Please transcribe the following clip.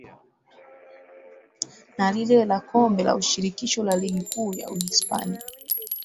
Na lile la kombe la shirikisho la ligi kuu ya Uhispania